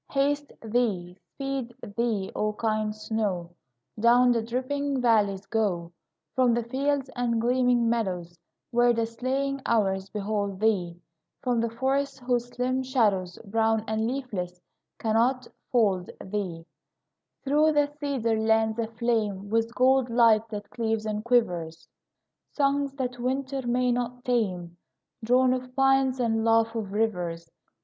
Haste thee, speed thee, O kind snow; Down the dripping valleys go, From the fields and gleaming meadows, Where the slaying hours behold thee, From the forests whose slim shadows, Brown and leafless cannot fold thee, Through the cedar lands aflame With gold light that cleaves and quivers, Songs that winter may not tame, Drone of pines and laugh of rivers.